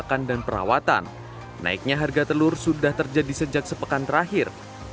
dengan biaya pakan dan perawatan naiknya harga telur sudah terjadi sejak sepekan terakhir